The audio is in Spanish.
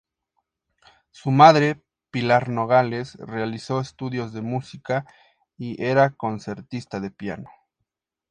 Su madre, Pilar Nogales, realizó estudios de música y era concertista de piano.